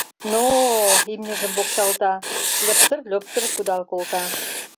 — Но-о! — имньыжым покталта, льыптыр-льоптыр кудал колта.